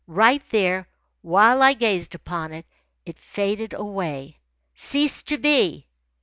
Right there, while I gazed upon it, it faded away, ceased to be.